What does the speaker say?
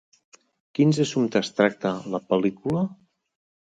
Quins assumptes tracta la pel·lícula?